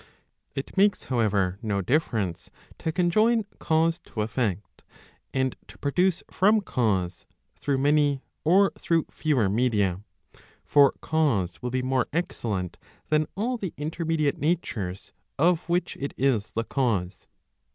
It makes, however, no difference to conjoin cause to effect, and to produce from cause, through many, or through fewer media. For cause will be more excellent than all the intermediate natures of which it is the cause.